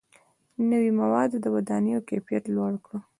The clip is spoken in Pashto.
• نوي موادو د ودانیو کیفیت لوړ کړ.